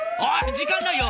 時間ないよ。